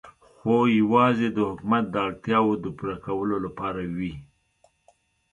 خو یوازې د حکومت د اړتیاوو د پوره کولو لپاره وې.